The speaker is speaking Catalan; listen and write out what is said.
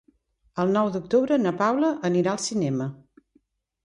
El nou d'octubre na Paula anirà al cinema.